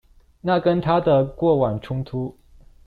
那跟他的過往衝突